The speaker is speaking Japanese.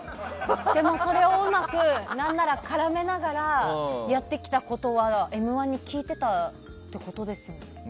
それをうまく何なら絡めながらやってきたことは「Ｍ‐１」に効いてたってことですもんね。